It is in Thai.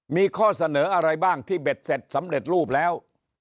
มีข้อเสนออะไรบ้างที่เบ็ดเสร็จสำเร็จรูปแล้ว